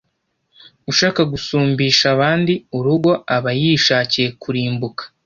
ushaka gusumbisha abandi urugo aba yishakiye kurimbuka